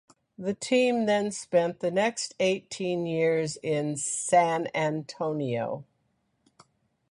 The team then spent the next eighteen years in San Antonio.